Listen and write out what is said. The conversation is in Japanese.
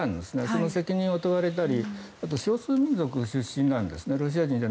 その責任を問われたり少数民族出身なんですね。